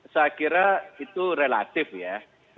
saya kira itu relatif ya